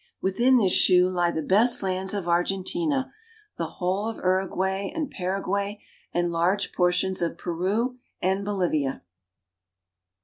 Within this shoe lie the best lands of Argentina, the whole of Uruguay and Para guay, and large portions of Peru and Bolivia.